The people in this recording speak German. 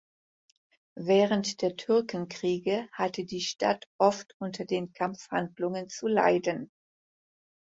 Während der Türkenkriege hatte die Stadt oft unter den Kampfhandlungen zu leiden.